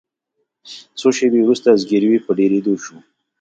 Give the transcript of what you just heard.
څو شیبې وروسته زګیروي په ډیریدو شو.